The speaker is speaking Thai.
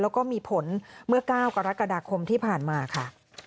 แล้วก็มีผลเมื่อเก้ากับรัฐกระดาษคมที่ผ่านมาค่ะ